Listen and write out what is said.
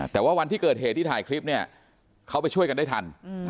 แต่ว่าวันที่เกิดเหตุที่ถ่ายคลิปเนี่ยเขาไปช่วยกันได้ทัน